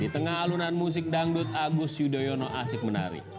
di tengah alunan musik dangdut agus yudhoyono asik menari